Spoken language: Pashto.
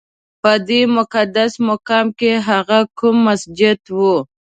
په دې مقدس مقام کې هغه کوم مسجد و؟